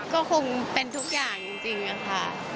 ก็คงเป็นทุกอย่างจริงค่ะ